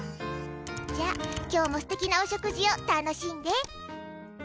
じゃあ、今日も素敵なお食事を楽しんで。